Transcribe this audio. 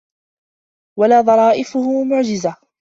وَلَا ظَرَائِفُهُ مُعْجِزَةً